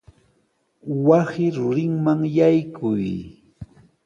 Wasi rurinman yaykuy.